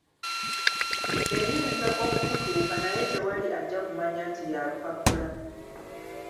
Eyinza okukutuuka naye tewali ajja kumanya nti ya lupapula.